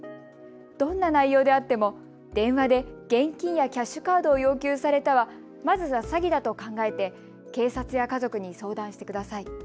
どんな内容であっても、電話で現金やキャッシュカードを要求されたら、まずは詐欺だと考えて警察や家族に相談してください。